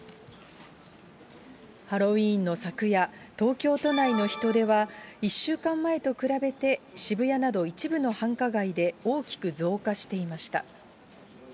ハロウィーンの昨夜、東京都内の人出は、１週間前と比べて、渋谷など一部の繁華街で、大きく増加していました。